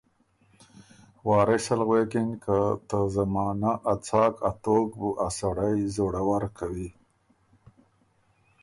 وارثه ال غوېکِن که ته زمانه ا څاک توک بُو ا سړئ زوړه ور کوی